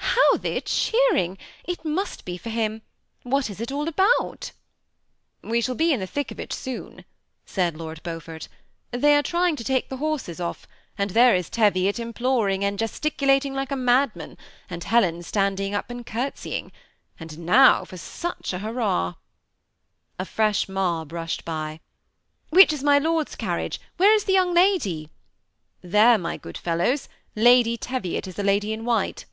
How they are cheering ! it must be for him. What is it all about ?'^ "We shall be in the thick of it soon," said Lord Beaufort ;" they are trying to take the horses off, and there is Teviot imploring and gesticulating like a mad man, and Helen standing up and courtesying ; and now for such a hurrah." 1 THE SEMI ATTACHED COUPLE. 191 A fresh mob rushed by. " Which is my lord's car riage, — where is the young lady ?"There, my good fellows. Lady Teviot is the lady in white."